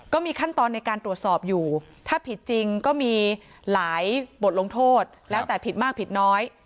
ก็มีขั้นตอนในการตรวจสอบอยู่ถ้าผิดจริงก็มีหลายบทลงโทษแล้วแต่ผิดมากผิดน้อย